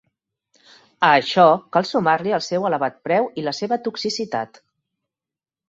A això cal sumar-li el seu elevat preu i la seva toxicitat.